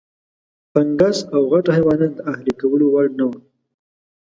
فنګس او غټ حیوانات د اهلي کولو وړ نه وو.